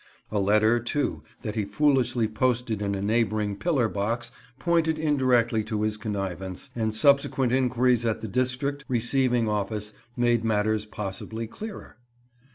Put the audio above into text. A letter, too, that he foolishly posted in a neighbouring pillar box pointed indirectly to his connivance, and subsequent inquiries at the district receiving office made matters possibly clearer.